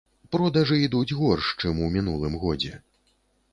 Продажы ідуць горш, чым у мінулым годзе.